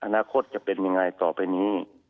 อนาคตจะเป็นยังไงต่อไปนี้